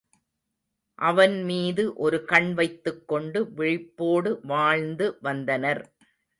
அவன் மீது ஒரு கண்வைத்துக் கொண்டு விழிப்போடு வாழ்ந்து வந்தனர்.